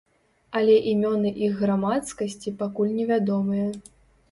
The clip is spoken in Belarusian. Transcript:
Але імёны іх грамадскасці пакуль не вядомыя.